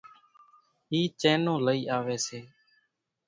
اِي چينون لئِي آويَ سي۔